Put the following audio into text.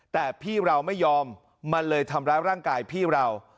แต่พี่เราไม่ยอมมันเลยทำร้ายร่างกายพี่เรา